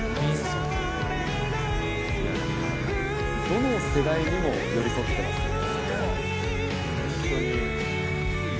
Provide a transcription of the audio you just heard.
どの世代にも寄り添ってますよね。